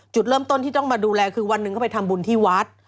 จุดเริ่มต้นที่ต้องมาดูแลคือวันหนึ่งเข้าไปทำบุญที่วัด